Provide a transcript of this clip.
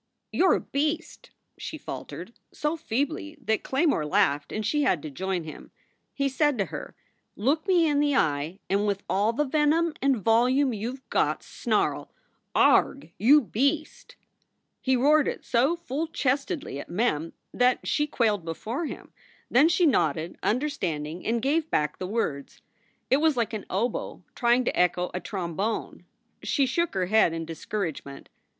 "You re a beast!" she faltered so feebly that Claymore laughed and she had to join him. He said to her, Look tn.e in the eye and with all the venom and volume you ve got snarl, Agh! you beast !": He roared it so full chestedly at Mem that she quailed before him. Then she nodded, understanding, and gave back the words. It was like an oboe trying to echo a trom bone. She shook her head in discouragement.